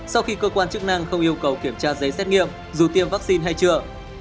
sau khi cơ quan chức năng không yêu cầu kiểm tra giấy xét nghiệm dù tiêm vaccine hay chưa